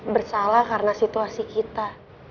bersalah karena situasi kita